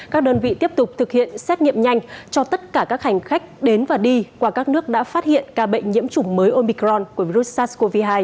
các đơn vị tiếp tục thực hiện xét nghiệm nhanh cho tất cả các hành khách đến và đi qua các nước đã phát hiện ca bệnh nhiễm chủng mới omicron của virus sars cov hai